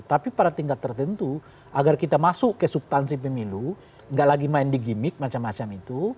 tapi pada tingkat tertentu agar kita masuk ke subtansi pemilu nggak lagi main di gimmick macam macam itu